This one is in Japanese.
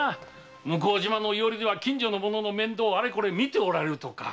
向島の庵では近所の者の面倒をあれこれ見ておられるとか。